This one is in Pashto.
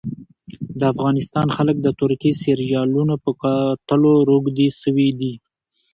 د افغانستان خلک د ترکي سیریالونو په کتلو روږدي سوي دي